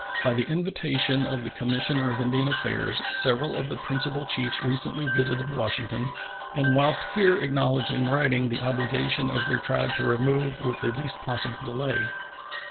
By the invitation of the Commissioner of Indian Affairs, several of the principal chiefs recently visited Washington, and whilst here acknowledged in writing the obligation of their tribe to remove with the least possible delay.